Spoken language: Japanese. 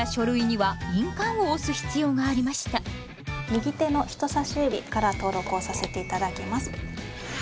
右手の人さし指から登録をさせていただきます。